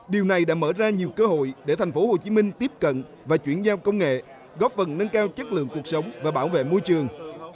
điều này đã mở ra nhiều cơ hội để tp hcm tiếp cận và chuyển giao công nghệ góp phần nâng cao chất lượng cuộc sống và bảo vệ môi trường